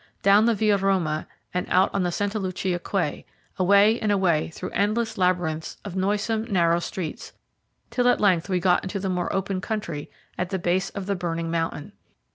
Down the Via Roma, and out on to the Santa Lucia Quay, away and away through endless labyrinths of noisome, narrow streets, till at length we got out into the more open country at the base of the burning mountain.